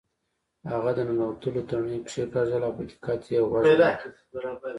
هغه د ننوتلو تڼۍ کیکاږله او په دقت یې غوږ ونیو